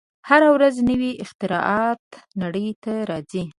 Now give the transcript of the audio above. هره ورځ نوې اختراعات نړۍ ته راځي.